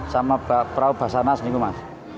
sama perahu bahasa nasi ini mas